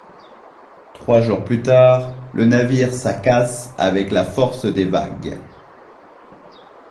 Trois jours plus tard, le navire sa casse avec la force des vagues.